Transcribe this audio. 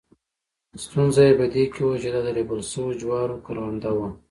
ستونزه یې په دې کې وه چې دا د ریبل شوو جوارو کرونده وه.